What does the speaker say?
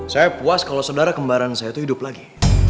saya puas kalau saudara kembaran saya itu hidup lagi